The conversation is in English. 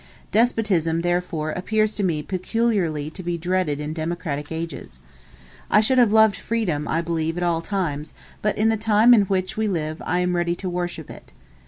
Despotism therefore appears to me peculiarly to be dreaded in democratic ages. I should have loved freedom, I believe, at all times, but in the time in which we live I am ready to worship it.